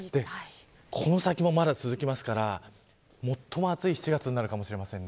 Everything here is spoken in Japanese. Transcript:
この先もまだ続きますから最も暑い７月になるかもしれません。